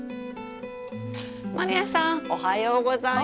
満里奈さんおはようございます。